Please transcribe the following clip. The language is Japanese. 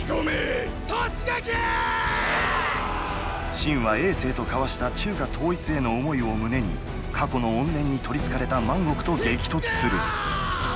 信は政と交わした中華統一への思いを胸に過去の怨念に取りつかれた万極と激突する。